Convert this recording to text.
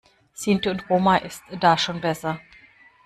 Sinti und Roma ist da schon besser.